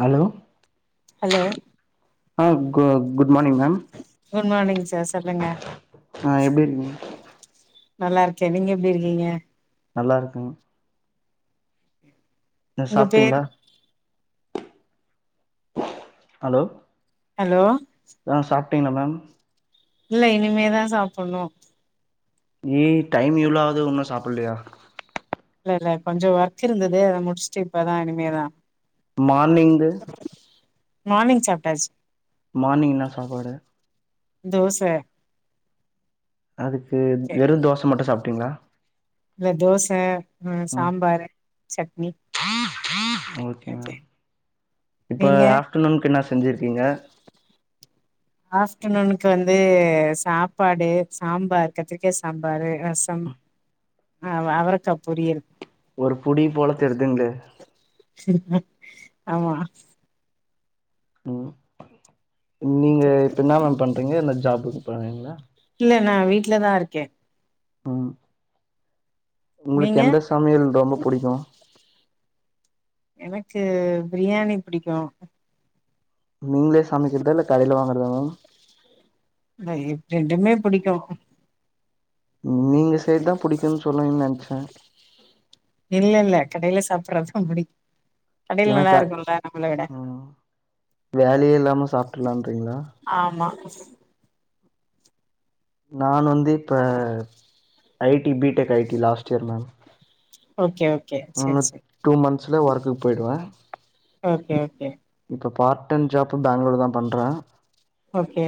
Hello hello ஆ கு good morning ma'am good morning சொல்லுங்க ஆ எப்டி இருக்கீங்க நல்லா இருக்கே நீங்க எப்டி இருக்கீங்க நல்லா இருக்குங்க எதா உங்க பேர் சாப்பிட்டீங்களா ஹலோ ஹலோ ட்டீங்களா ல்ல இனிமேதா சாப்புடணு ஏ டைம் வ்ளோவாது ன்னு சாப்புடலயா ல்ல கொஞ்சோ ஒர்க் இருந்துது அத முடிச்சுட்டு இப்பதா இனிமேதா மார்னிங்கு மார்னிங் சாப்டாச்சு மார்னிங்ன்னா சாப்பாடு தோச அதுக்கு வெறு தோச மட்டு சாப் டிங்களா ல்ல தோச ஆ சாம்பாரு சட்னி ப்ப நீங்க ஆஃப்டநூனுக்கு என்ன செஞ்சிருக்கிங்க ஆஃப்டநூனுக்கு வந்து சாப்பாடு சாம்பார் கத்திரிக்கா சாம்பாரு ரசம் அ அவரைக்கா பொறியல் ஒரு புடி போல தெருதுங்லே ஆமா ம் நீங்க ஓகே ப்ப என்ன மேம் பண்றீங்க ந்த ஜாப் பங்களா ல்ல நா வீட்டு்லதா இருக்கே ம் உங்களுக்கு நீங்க எந்த சமையல் ரொம்ப புடிக்கு எனக்கு பிரியாணி புடிக்கு நீங்களே சமைக்கிறதா ல்ல கடையில வாங்றதா மேம் ல்ல ரெண்டுமே பிடிக்கு நீங்க செய்ரதுதா புடிக்குனு சொல்வீங்கனு நெனச்சே கடயில சாப்புறத்துக்கும் புடிக்கு கடையில நல்லா எனக்கா இருக்குல்ல நம்மள விட ம் வேலயே இல்லாம சாப்ட்ராலாறீங்ளா [unintelligible] நான் வந்தே ப்ப ஐட் B tech I T last year ma'am okay okay நானு செரி செரி டூ மந்த்ஸ்ல ஒர்குக்கு போயிடுவே ஓகே ஓகே ப்ப பார்ட் டைம் ஜாப் பேங்ளூர்லதா பண்றே ஓகே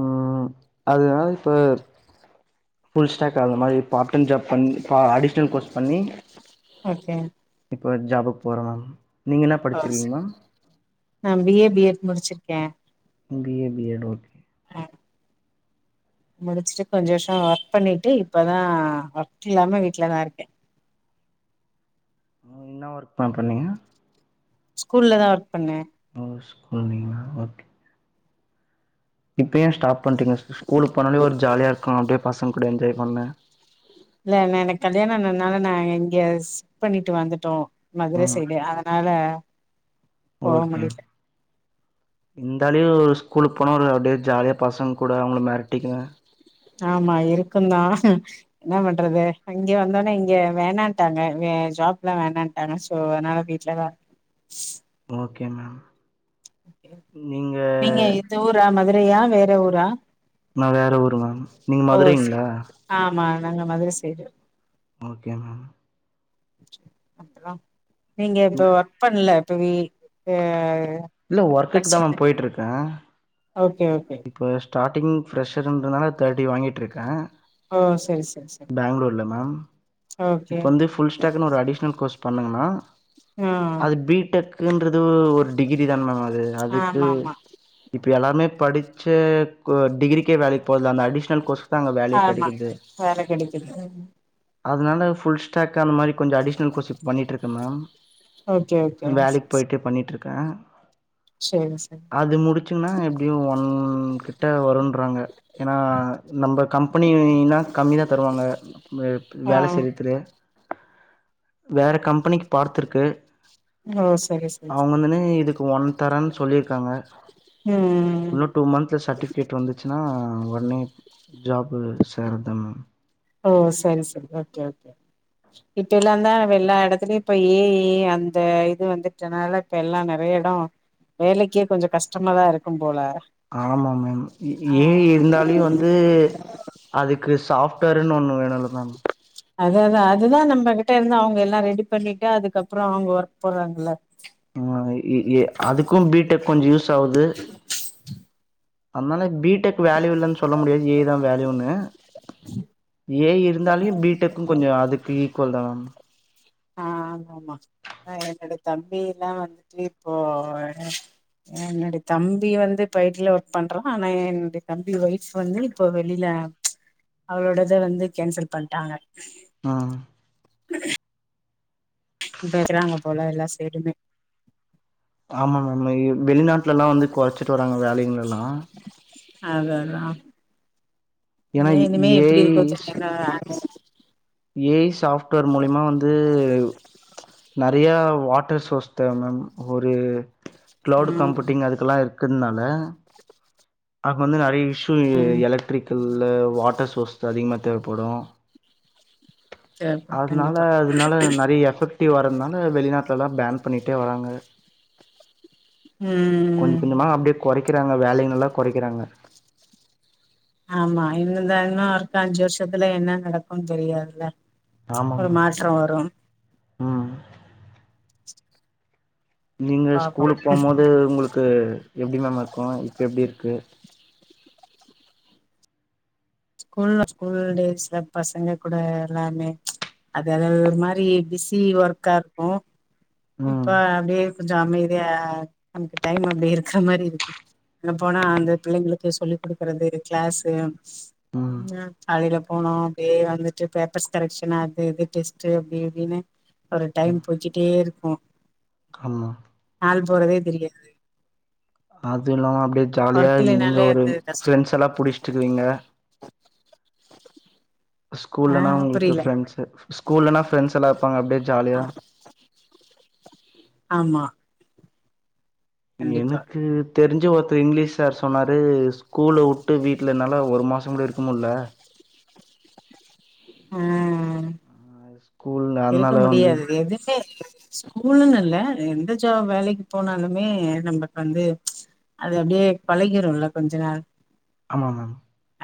ம் அதனால இப்ப ஃபுல் ஸ்டாக் அந்த மாதிரி பார்டன் ஜாப் க்கன் ஃபார்ம் அடிஷனல் கோர்ஸ் பண்ணி ஓகே இப்போ ஜாபுக்கு போறோ நா பி ஏ பிஎட் முடிச்சே கே B A B Ed okay ஆ முடிச்சுட்டு கொஞ்ச வருஷோ ஒர்க் பண்ணிட்டு இப்பதா ஒர்க் இல்லாம வீட்லதா இருக்கே என்ன ஒர்க் பண்றணீங்க ஸ்கூல்ல தா ஒர்க் பண்ணே ஓ ஸ்கூலிங்கள ஓகே இப்போ ஏன் ஸ்டாப் பண்டிங்க ஸ்கூல் போனாே ஒரு ஜாலியா இருக்கு அப்டியே பசங்க கூட என்ஜாய் பண்ணே இல்ல எனக்கு கல்யாண ஆனனால நா இங்க ஷிப்ட் பண்ணிட்டு வந்துட்டோ ஆ மதுர சைய்டு அதனால போக ஓகே முடியல இருந்தாலயு ஸ்கூலுக்கு போன ஒரு அப்டியே ஜாலியா பசங்க கூட அவுங்கள மெரட்டிக்குனு ஆமா இருக்கு தா என்னா பண்றது இங்க வந்தோனே இங்க வேணான்ட்டாங்க ஜாப் எல்லா வேணான்ட்டாங்க சோ அதனால வீட்லதா ஓகே மேம் நீங்க இந்த ஊரா மதுர றையா வேற ஊரா நா வேற ஊரு மேம் நீங்க மதுரைங்ளா? மா நாங்க மதுர சைடு ஓகே மேம் அப்றொ நீங்க இப்ப ஒர்க் பண்ல [unintelligible] இல்ல ஒர்க்குக்கு தா மேம் படிச்சிட்டு போயிட்ருக்கே ஓகே ஓகே இப்போ ஸ்டார்டிங் ஃப்ரஷ்ஷருன்றனால தேர்ட்டி வாங்கிட்ருக்கே ஆ சரி சரி சரி இப்ப வந்து ஃபுல் ஸ்டாக்குன் ஒரு அடிஷ்னல் கோர்ஸ் பண்ணங்க மேம் ஆ அது பி டெக்குன்றது ஒரு டிகிரி தான மேம் அது அதுக்கு ஆமா ஆமா இப் ப எல்லாமே படிச்ச க டிகிரிக்கே வேலைக்கு போறதில்ல அந்த அடிஷ்னல் கோர்ஸ் ஆமா வேல கெடக்கிது அதுனால ஃபுல் ஸ்டாக் கு அந்த மாரி கொஞ்ச அடிஅனல் கோர்ஸ் இப் பண்ணிட்ருக்கே மேம் ஓகே ஓகே வேலைக் போய்ட்டே பண்ணிட்ரு க்க செரி செரி அது முடுச்சொன்னா எப்டியு ஒன் கிட்ட வருன்றாங்க எனா நம்ப கம்பெனினா கம்மி தா தருவாங்க ஆ வேல செய்ற வேற கம்பெனிக்கு பார்த்துருக்கு ஓ சரி சரி ச கு ஒன் தரேன் சொல்லிருக்காங்க ம் ம். இன்னு ட்டூ மந்த்ல சர்டிஃபிகேட் வந்துச்சுனா நா ஒட்னே ஜாபு சேரதா மேம் ஓ சரி சரி ஓகே ஓகே இப்ப எல்லாந்தா எல்லா எடத்துலயு இப்ப ஏ ஐ அந்த இது வந்துட்டனால இப்ப எல்லா நறை எடொ வேலைக்கே கொஞ்ச கஷ்டமாதா இருக்கும்போல ஆமா மேம் ஏ ஐ இருந்தாலியு வந்து அதுக்கு சாஃப் ட்வேருன்னு ஒன்னு வேணுல்ல மேம் அததா அதுதா நம்பகிட்டருந்து அவுங்க எல்லா ரெடி பண்ணிட்டு அதுக்கப்றொ அவுங்க ஒர்க் போறாங்கல்ல ஆ இ எ அதுக்கு பி டெக் கொஞ்ச யூஸ் ஆவுது அதுனால பி டெக் வேல்யூ இல்லனு சொல்ல முடியாது ஏ தா வேல்யூனு ஏ இ இருந்தாலியு பிடெக்கு கொஞ்சோ அதுக்கு ஈக்குவல்தா ஆ ஆமா ஆமா ஆ என்னோட தம்பி எல்லா வந்துட்டு இப்போ என்னுடைய தம்பி வந்து பைட்டுல ஒர்க் பண்றான் ஆனா என்னுடைய தம்பி ஒய்ஃப் வந்து இப்போ வெளியில அவளோடத வந்து கேன்சல் பண்ணிட்டாங்க ஆ வேக்றாங்க போல எல்லா சைடுமே ஆமா மேம் மெய்யூ வெளிநாட்டுல எல்லா வந்து கொறச்சிட்டு வராங்க வேலிங்கெல்லா அத அதா ஏன்னா மே இனிமே ஏ எப்பிடி இருக்கு ஐ சொல்லி [unintelligible] ஏ ஈ சாஃப் ட்வர் மூழிமா வந்து நெறைய வாட்டர் சோர்ஸ் தேவ மேம் ஒரு கிளவுட் ம் கம்ப்யூட்டிங் அதுக்கல்லா இருக் க்குனால அங்வந் நெறைய இஸ் ஷூ இங்க ம் எலக்ட்ரிக்கல வாட்டர் சோர்ஸ்த அதிகமா தேவப்படு சரிப்பா அதனால கண்டிப்பா அதனால நெறைய எஃபெக்ட் ட்டி வாரதனால வெளிநாட்டுல எல்லா பேன் பண்ணிட்டே வராங்க கொஞ்சோ ம் கொஞ்சமா அப்பிடியே கொறைக்கிறாங்க வேலய நல்லா கொறைகிறாங்க ஆமா இந்த இந்த இன்னு ஒர்க் அஞ்சு வருஷத்துல என்ன நடக்கும்னு தெரியாதுல ஆமா ஒரு மேம் மாற்றோ வரோ ம் நீங்க பாப்போ ஸ்கூலுக்கு போமோது உங்களுக்கு எப்பிடி மேம் இருக்கோ இப்ப எப்பிடி இருக் க்க ஸ்கூல ஸ்கூல்டேஸ்ல பசங்க கூட எல்லாமே அது ஒரு மாரி பிஸி ஒர்க்கா இருக்கோ இப்ப ம் அப்பிடியே கொஞ்சோ அமைதியா நமக்கு டைம் அப்பிடி இருக்கற மாரி இருக்கு அங்க போனா அந்த பிள்ளைங்களுக்கு சொல்லி் குடுக்குறது கிளாஸ் ம் நா காலையில போனோ அப்பிடியே வந்துட்டு பேப்பர்ஸ் கரெக்ஷன் அது இது டெஸ்ட் அப்பிடி இப்பிடின்னு ஒரு டைம் போயிக்கிட்டே இருக் போ கண்ணா டைம் போறதே தெரியாது அது இல்லாம அப்டியே ஜாலியா ஒர்க் நீங்க இல்லனாலே ஒரு அந்த கஷ்டோ ஃப்ரெண்ட்ஸல்லா புடிச்சிட்ருக்கறீங்க ஆ ஸ்கூல்லனா உங்களுக்கு புரில ஃப்ரண்ட்ஸு ஸ்கூல்லனா ஃப்ரெண்ட்ஸல்லா இருப்பாங்க அப்டியே ஜாலியா ஆமா கண்டிப்பா எனக்கு தெரிஞ்ச ஒருத்தர் இங்கிலீஷ் சார் சொன்னாரு ஸ்கூல வுட்டு வீட்ல என்னால ஒரு மாசோங் கூட இருக்க முடில ம் ஸ்கூல் இருக்க அதனால வந்து முடியாது எதுமே இல்ல ஸ்கூலுன்னு இல்ல எந்த ஜாப் வேலைக்கு போனாலுமே நம்மளுக்கு வந்து அது அப்டியே பழகிருல்ல கொஞ்ச நாள் ஆமா மேம்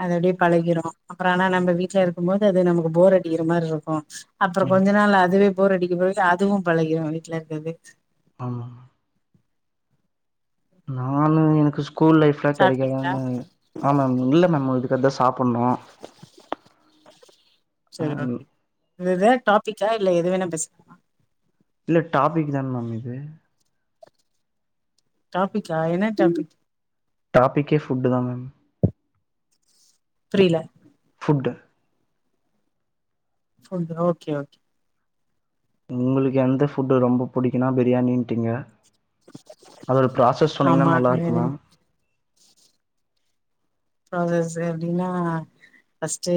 அது அப்டியே பழகிரு அப்றோ ஆனா நம்ப வீட்ல இருக்கும்போ து அது நமக்கு போரடிக்கிற மாரி இருக்கு அப்பற கொஞ்ச ஆமா நாள் அதுவே போர் அடிக்கும்போது அதுவு பழகிற வீட்ல இருக்கறது ஆமா நானு எனக்கு ஸ் கூல் லைஃப்லா சாப்ட்டீங்களா கெடைக்காதான்னு ஆமாங் இல்ல மேம் இதுக்கு அது [unintelligible] பண்ணோ ஆ இது இது டாபிக்கா இல்ல எது வேண்ணா பேசிக்கலாமா இல்ல டாபிக்தா மேம் இது டாபிக்கா என்ன டாபிக் டாபிக்கே ஃபுட்டுதா மேம் புரியல ஃபுட்டு ஃபுட் ஓகே ஓகே உங்களுக்கு எந்த ஃபுட்டு் ரொம்ப புடிக்குனா பிரியாணிட்டீங்க அதோட ப்ராசஸ் சொன்னீங்கன்னா ஆமா நல்லா அது இருக்கு எனக்கு மேம் ப்ராசஸ் எப்டின்னா ஃபஸ்ட்டு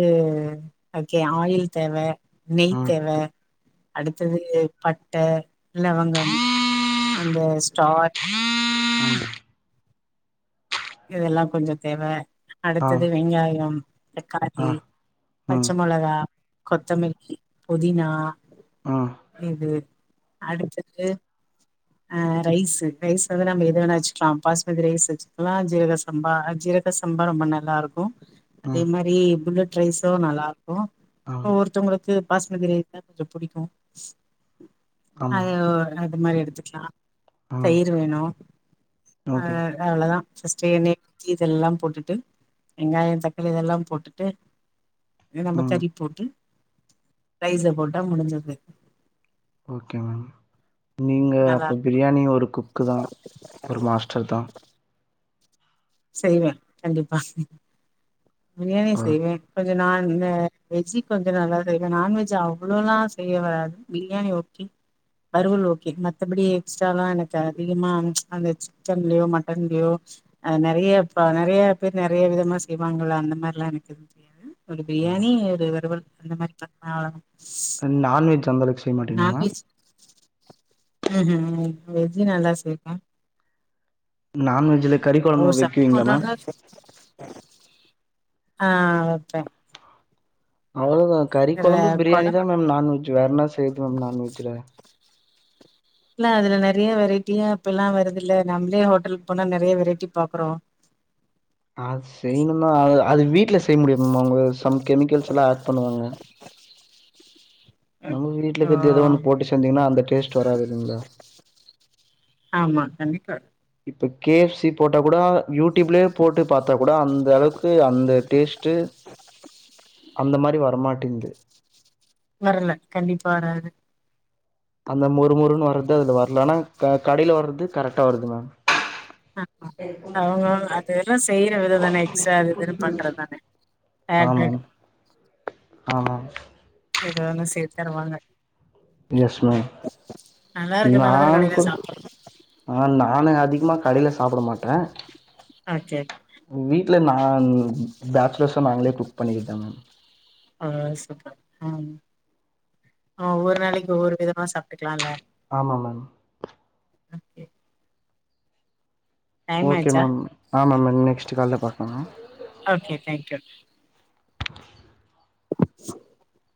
அதுக்கு ஆயில் தேவ நெய் ம் தேவ அடுத்தது பட்ட லவங்கம் அந்த ஸ்டார் இதெல்லா கொஞ்சோ தேவ ஆ அடுத்தது வெங்காயம் ஆ தக்காளி பச்ச ம் மொளகா கொத்தமல்லி புதினா ம் இது அடுத்தது அ ரைஸ்ஸு ரைஸ் வந்து நம்ம எது வேணா வெச்சுக்கலாம் பாஸ்மதிரைஸ்ஸு வெச்சு இல்லனா ஜீரக சம்பா ஜீரக சம்பா ரொம்ப நல்லா இருக்கு அதே ம் மாரி புல்லட் ரைஸு நல்லா இருக்கு ஆ ஓ ஒருத்தவங்களுக்கு பாஸ்மதி ரைஸ்தா கொஞ்சோ புடிக்கு ஆமா அதே ஒர் வேணா அது மாரி எடுத்துக்கலா ம் தயிர் வேணு ஓகே [inaudible] அவ்ளோதா ஃபஸ்ட்டு எண்ணெ ஊத்தி இதெல்லாம் போட்டுட்டு வெங்காயோ தக்காளி இதெல்லாம் போட்டுட்டு நம்ம ம் கறி போட்டு ரைஸ்ஸ போட்டா முடுஞ்சுருது ஓகே மேம் நீங்க அப்போ நல்லாருக்கு பிரியாணி ஒரு குக்குதா ஒரு மாஸ்டர்தா செய்வ கண்டிப்பா ம் பிரியாணி ஆ செய்வ கொஞ்சோ நா இந்த வெஜ்ஜு கொஞ்சோ நல்லா செய்வ நான்வெஜ்ஜு அவ்ளோ எல்லா செய்ய வராது பிரியாணி ஓகே வறுவல் ஓகே மத்தபடி எக்ஸ்ட்ரா எல்லா எனக்கு அதிகமா அந்த சிக்கன்லயோ மட்டன்லயோ ஆ நறையா பா நறையா பேர் நறையா விதமா செய்வாங் நல்லா அந்த மாரி எல்லா இருக்குது [inaudible] ஒரு பிரியாணி ஒரு வறுவல் அந்த மாரி ஆ அவ்ளதா நான்வெஜ் அந்த அளவுக்கு செய்ய மாட்டீங்களாமா வூம் வெஜ்ஜு நல்லா செய்வ நான்வெஜ்ல கறி [inaudible] கொழம்பு வைக்குவீங்களா மேம் ஆ ஓகே அவ்ளோதா கறி கொழம்பு பிரியாணிதா மேம் நான்வெஜ்ஜு வேற என்ன செய்றது மேம் நான்வெஜ்ல இல்ல அதுல நறையா வெரைட்டியா இப்ப எல்லா வருது இல்ல நம்மளே ஹோட்டலுக்கு போனா நறையா வெரைட்டி பாக்குறோ அது செய்யணுந்தா அதா அது வீட்ல செய்ய முடியு அவங்க சம் கெமிக்கல்ஸ் எல்லா ஏட் பண்ணுவாங்க [inaudible] நமக்கு வீட்ல ஓ இருக்குறது எதோ ஒண்ண போட்டு செஞ்சீங்கன்னா அந்தட்டே டேஸ்ட் வராது இல்லைங்களா ஆமா கண்டிப்பா இப்ப கே எஃப் சி போட்டா கூட யூடியூப்லயே போட்டு பாத்தா கூட அந்த அளவுக்கு அந்த டேஸ் ட்டு அந்த மாரி வரமாட்டேங்குது வரல கண்டிப்பா வராது அந்த மொறு மொறுன்னு வர்றது அதுல வரலனா கடையில வர்றது கரெக்டா வருது மேம் ஆ அவுங்க அத எல்லா செய்யற விதோ தானே எக்ஸ்ட்ரா அது இதுன்னு பண்றதுதானே ஆட் ஆமாம் ஏதுவா இருந்தாலு சேத்து தருவாங்க ஸ் மே நல்லா நா இருக்கனால தான கடையில கூட சாப்றோ ஆ நானு அதிகமா கடயில சாப்ட மாட்டே ஓகே ஆ வீட்ல நா பேச்லர்ஸா நாங்களே கொம் பண்ணிகிட்டாங்க ஆ சூப்பர் ம் ஆ ஒவ்வொரு நாளைக்கு ஒவ்வொரு விதமா சாப்ட்டுக்கலாம்ல ஆமா மேம் ஓகே டைம் ஓகே ஆயிச்சா மேம் மேம் நெக்ஸ்ட்டு கால்ல பாக்கலா ஓகே தேங்க்யூ [inaudible]